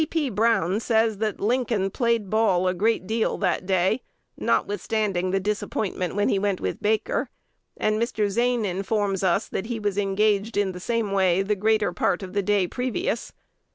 C. P. Brown says that Lincoln played ball a great deal that day, notwithstanding the disappointment when he went with Baker; and Mr. Zane informs us that he was engaged in the same way the greater part of the day previous.